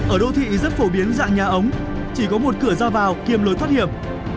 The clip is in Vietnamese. ở đô thị rất phổ biến dạng nhà ống chỉ có một cửa ra vào kiêm lối thoát hiểm